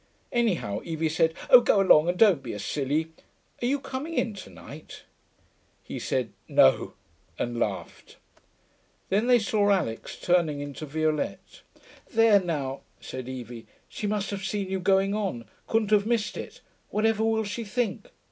Anyhow Evie said, 'Oh, go along and don't be a silly.... Are you coming in to night?' He said 'No' and laughed. Then they saw Alix turning into Violette. 'There now,' said Evie. 'She must have seen you going on. Couldn't have missed it.... Whatever will she think?'